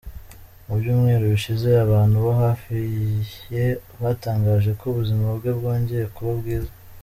Mu byumweru bishize, abantu bo hafi ye batangaje ko ubuzima bwe bwongeye kuba bwiza.